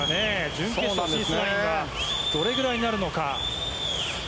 準決勝進出ラインはどれぐらいになるのか。